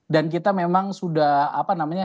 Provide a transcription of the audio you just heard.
dan kita memang sudah apa namanya